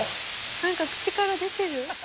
何か口から出てる。